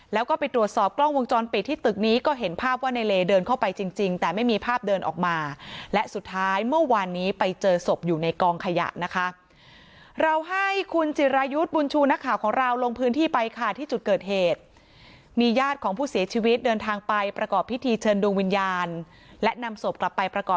แล้วก็ไปตรวจสอบกล้องวงจรปิดที่ตึกนี้ก็เห็นภาพว่าในเลเดินเข้าไปจริงจริงแต่ไม่มีภาพเดินออกมาและสุดท้ายเมื่อวานนี้ไปเจอศพอยู่ในกองขยะนะคะเราให้คุณจิรายุทธ์บุญชูนักข่าวของเราลงพื้นที่ไปค่ะที่จุดเกิดเหตุมีญาติของผู้เสียชีวิตเดินทางไปประกอบพิธีเชิญดวงวิญญาณและนำศพกลับไปประกอบ